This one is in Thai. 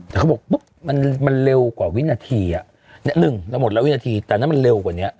คราวหมดบุ๊บมันมันเร็วกว่าวินาทีอ่ะนะนึ่งทั้งหมดแล้ววินาทีแต่น้ำนเร็วกว่าเนี้ย